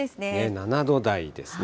７度台ですね。